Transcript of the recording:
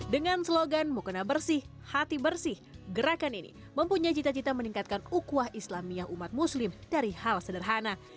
dengan slogan mukena bersih hati bersih gerakan ini mempunyai cita cita meningkatkan ukuah islamiyah umat muslim dari hal sederhana